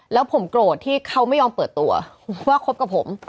แล้วผมโกรธที่เขาไม่ยอมเปิดตัวว่าคบกับผม